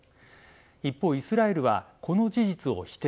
一方、イスラエルはこの事実を否定。